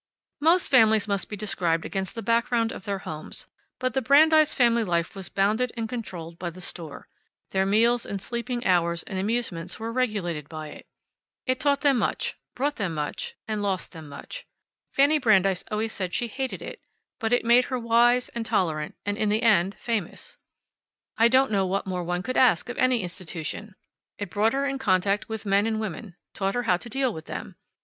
Most families must be described against the background of their homes, but the Brandeis family life was bounded and controlled by the store. Their meals and sleeping hours and amusements were regulated by it. It taught them much, and brought them much, and lost them much. Fanny Brandeis always said she hated it, but it made her wise, and tolerant, and, in the end, famous. I don't know what more one could ask of any institution. It brought her in contact with men and women, taught her how to deal with them.